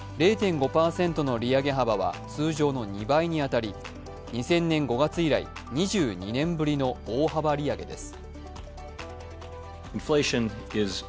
０．５％の利上げ幅は通常の２倍にあたり、２０００年５月以来、２２年ぶりの大幅利上げです。